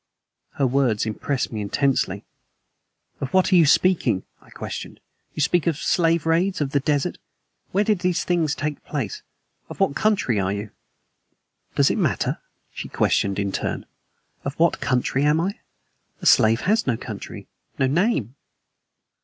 Her words impressed me intensely. "Of what are you speaking?" I questioned. "You speak of slave raids, of the desert. Where did these things take place? Of what country are you?" "Does it matter?" she questioned in turn. "Of what country am I? A slave has no country, no name."